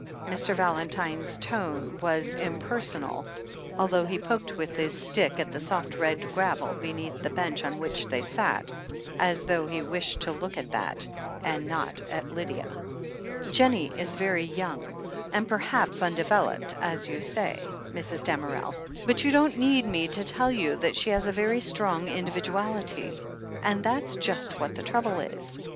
Mr. Valentine's tone was im , personal, although he poked with his stick at the soft red gravel beneath the bench on which they sat, as though he wished to look at that, and not at Lydia. "Jennie is very young, and perhaps undeveloped, as you say, Mrs. Damerel, but you don't heed me to tell you that she has a very strong individuality. And that's just what the trouble is.